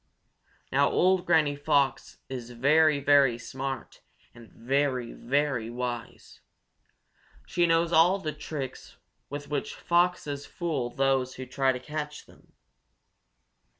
Now old Granny Fox is very, very smart and very, very wise. She knows all the tricks with which foxes fool those who try to catch them.